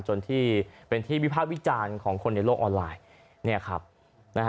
จนที่เป็นที่วิภาควิจารณ์ของคนในโลกออนไลน์